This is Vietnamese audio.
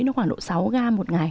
nó khoảng độ sáu gram một ngày